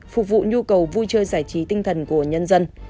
phục vụ nhu cầu vui chơi giải trí tinh thần của nhân dân